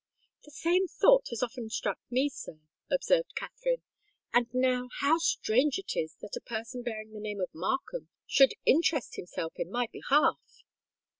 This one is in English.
"The same thought has often struck me, sir," observed Katherine. "And now how strange it is that a person bearing the name of Markham should interest himself in my behalf!"